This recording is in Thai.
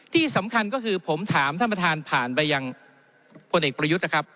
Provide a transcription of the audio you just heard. ที่สำคัญก็คือผมถามท่านประธานผ่านไปยังพลเอกประยุทธ์นะครับ